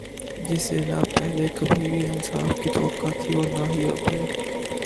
جس سے نا پہلے کبھی انصاف کی توقع تھی اور نا ہی اب ہے